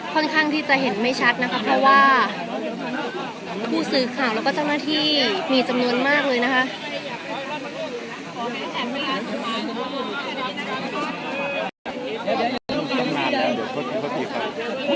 ค่อนข้างที่จะเห็นไม่ชัดนะคะเพราะว่าผู้สื่อข่าวแล้วก็เจ้าหน้าที่มีจำนวนมากเลยนะคะ